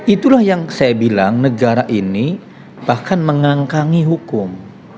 itulah yang saya bilang negara ini bahkan mengangkangi hukum